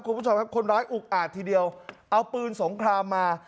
คุณผู้ชมครับคนร้ายอุกอาจทีเดียวเอาปืนสงครามมา